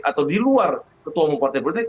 atau di luar ketua umum partai politik